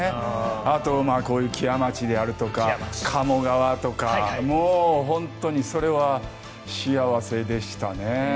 あと、こういう木屋町であるとか鴨川とかもう本当にそれは幸せでしたね。